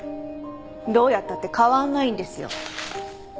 どうやったって変わんないんですよ。